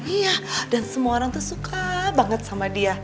iya dan semua orang tuh suka banget sama dia